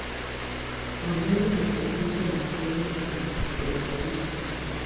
Kwa lengo la kurejesha uhusiano wa kidiplomasia.